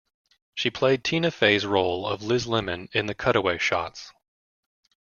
She played Tina Fey's role of Liz Lemon in the cutaway shots.